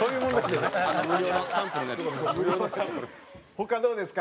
他どうですか？